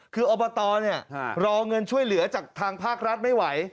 คืออบตรอเงินช่วยเหลือจากทางภาครัฐไม่ไหว